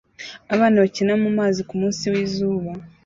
Abana bakina mumazi kumunsi wizuba